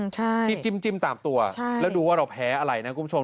ใช่ที่จิ้มตามตัวแล้วดูว่าเราแพ้อะไรนะคุณผู้ชม